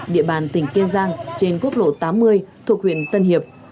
địa bàn tỉnh kiên giang trên quốc lộ tám mươi thuộc huyện tân hiệp